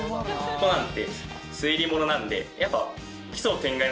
『コナン』って推理ものなのでやっぱ。